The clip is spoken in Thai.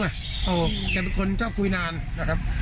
แกเป็นคนชอบคุยนานนะครับ